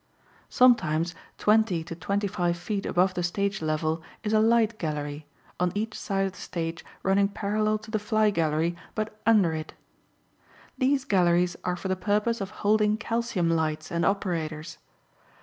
Sometimes twenty to twenty five feet above the stage level is a light gallery, on each side of the stage running parallel to the fly gallery, but under it. These galleries are for the purpose of holding calcium lights and operators.